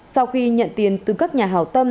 sau khi nhận tiền từ các nhà hảo tâm